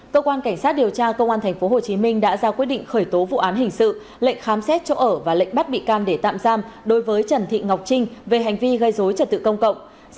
cơ quan cảnh sát điều tra công an tp hcm đã ra quyết định khởi tố vụ án hình sự lệnh khám xét chỗ ở và lệnh bắt bị can để tạm giam đối với trần thị ngọc trinh về hành vi gây dối trật tự công cộng